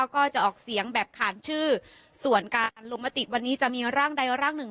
ก็จะออกเสียงแบบขาดชื่อส่วนการลงมติวันนี้จะมีร่างใดร่างหนึ่ง